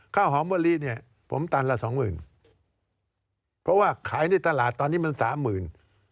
ข้าวหอมมะลิเนี่ยผมตันละสองหมื่นเพราะว่าขายในตลาดตอนนี้มันสามหมื่น